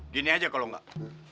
gini aja kalau enggak